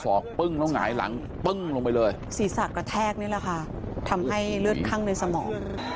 อกปึ้งแล้วหงายหลังปึ้งลงไปเลยศีรษะกระแทกนี่แหละค่ะทำให้เลือดข้างในสมอง